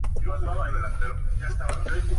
Stefan es el hermano menor de Damon.